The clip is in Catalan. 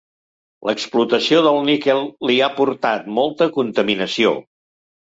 L'explotació del níquel li ha portat molta contaminació.